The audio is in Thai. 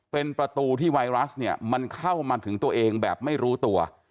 เป็นประตูที่ไวรัสเนี่ยมันเข้ามาถึงตัวเองแบบไม่รู้ตัว